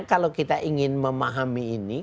kalau kita ingin memahami ini